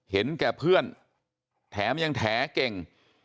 เห็นแก่เพื่อนแถมยังแถเก่ง